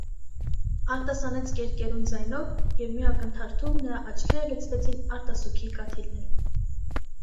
- արտասանեց կերկերուն ձայնով, և մի ակնթարթում նրա աչքերը լցվեցին արտասուքի կաթիլներով: